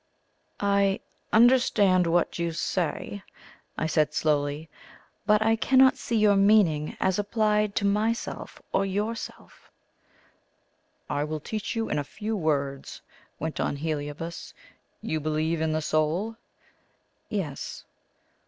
"I understand what you say," I said slowly; "but I cannot see your meaning as applied to myself or yourself." "I will teach you in a few words," went on Heliobas. "You believe in the soul?" "Yes."